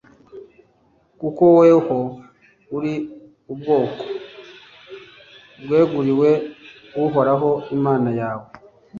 kuko woweho uri ubwoko bweguriwe uhoraho imana yawe.